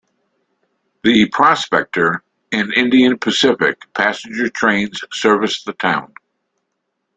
The "Prospector" and "Indian Pacific" passenger trains service the town.